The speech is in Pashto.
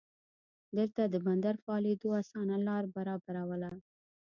دلته د بندر فعالېدو اسانه لار برابرواله.